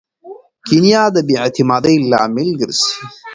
کینه د بې اعتمادۍ لامل ګرځي.